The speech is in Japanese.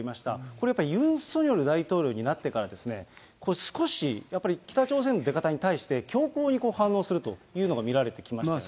これやっぱり、ユン・ソンヨル大統領になってから少し北朝鮮の出方に対して、強硬に反応するというのが見られた。